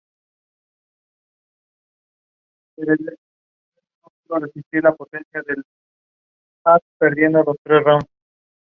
Tras su fundación, el partido solicitó ser legalizado.